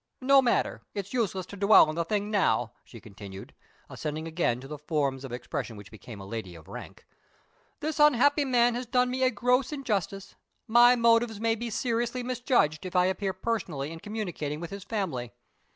No matter; it's useless to dwell on the thing now," she continued, ascending again to the forms of expression which became a lady of rank. "This unhappy man has done me a gross injustice; my motives may be seriously misjudged, if I appear personally in communicating with his family.